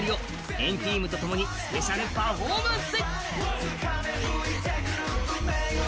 ＆ＴＥＡＭと共にスペシャルパフォーマンス。